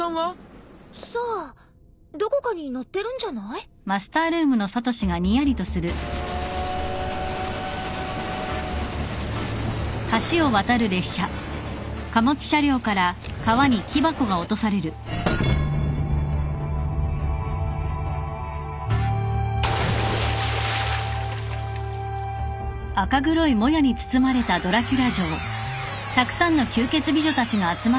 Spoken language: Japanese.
さあどこかに乗ってるんじゃない？ギャオオオ！